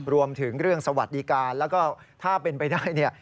รวมถึงเรื่องสวัสดิการแล้วก็ถ้าเป็นไปได้เนี่ย